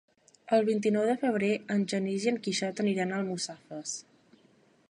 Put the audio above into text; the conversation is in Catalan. El vint-i-nou de febrer en Genís i en Quixot aniran a Almussafes.